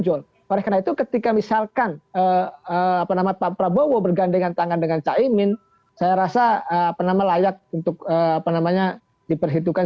yang kedua kita tetap pada basis rasionalitas politik